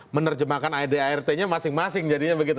menerjemahkan adartnya masing masing jadinya begitu